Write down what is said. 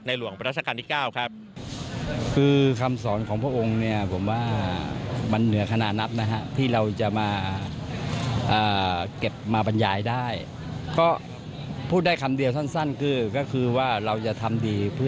ในหลวงประทักษณ์ที่๙ครับ